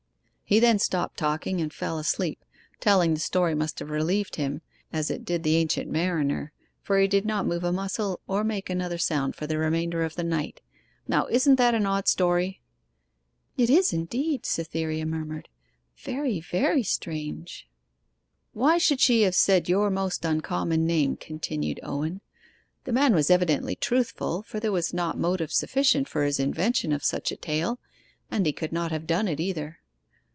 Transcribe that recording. He then stopped talking and fell asleep. Telling the story must have relieved him as it did the Ancient Mariner, for he did not move a muscle or make another sound for the remainder of the night. Now isn't that an odd story?' 'It is indeed,' Cytherea murmured. 'Very, very strange.' 'Why should she have said your most uncommon name?' continued Owen. 'The man was evidently truthful, for there was not motive sufficient for his invention of such a tale, and he could not have done it either.